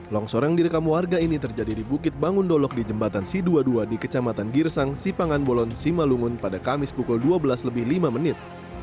longsor yang direkam warga ini terjadi di bukit bangun dolok di jembatan si dua puluh dua di kecamatan girsang sipangan bolon simalungun pada kamis pukul dua belas lebih lima menit